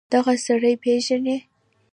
دغه سړى پېژنې.